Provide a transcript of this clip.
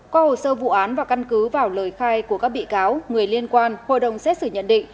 qua hồ sơ vụ án và căn cứ vào lời khai của các bị cáo người liên quan hội đồng xét xử nhận định